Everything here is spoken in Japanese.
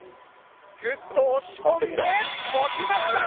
ぐっと押し込んで置きました！